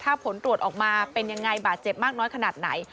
ถ้าผลตรวจออกมาเป็นยังไงบาดเจ็บมากน้อยขนาดไหน